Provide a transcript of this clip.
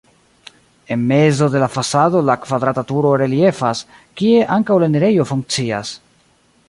En mezo de la fasado la kvadrata turo reliefas, kie ankaŭ la enirejo funkcias.